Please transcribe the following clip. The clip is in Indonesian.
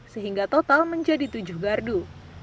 sehingga total menjadi tujuh gardu